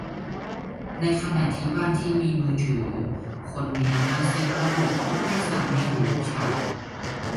ในขณะที่บ้านที่มีมือถือ-คนมีอำนาจเซ็ตระบบมักเป็นสามีหรือลูกชาย